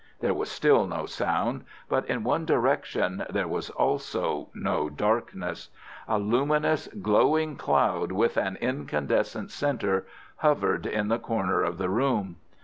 There was still no sound, but in one direction there was also no darkness. A luminous, glowing cloud, with an incandescent centre, hovered in the corner of the room.